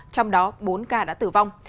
trong đó bốn ca đã tử vong